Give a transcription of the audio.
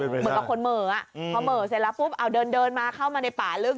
เหมือนกับคนเหม่อพอเหม่อเสร็จแล้วปุ๊บเอาเดินมาเข้ามาในป่าลึก